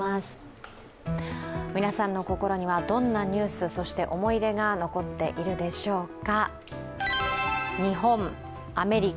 皆さんの心にはどんなニュース、そして思い出が残っているでしょうか。